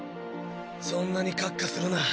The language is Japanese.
そんなにカッカするな。